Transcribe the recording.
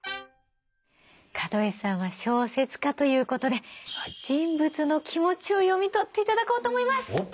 門井さんは小説家ということで人物の気持ちを読み取っていただこうと思います。